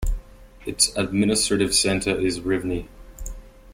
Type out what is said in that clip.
Its administrative center is Rivne.